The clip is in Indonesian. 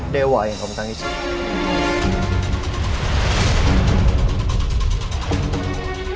dewa yang kamu tangiskan